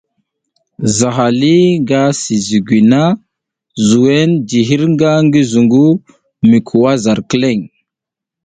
Zaha lih nga si zǝgwi na zuwen ji hirnga ngi zungu mi kuwa zar kileŋ.